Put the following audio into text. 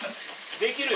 できるよ。